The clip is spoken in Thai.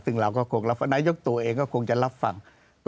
ซึ่งเราก็คงรับนายกตัวเองก็คงจะรับฟัง